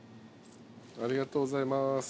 ありがとうございます。